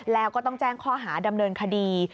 แล้วก็ต้องแจ้งข้อหาดำเนินคดี